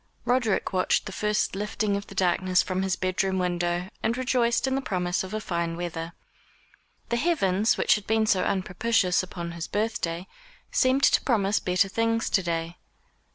Roderick watched the first lifting of the darkness from his bed room window, and rejoiced in the promise of a fine weather. The heavens, which had been so unpropitious upon his birthday, seemed to promise better things to day.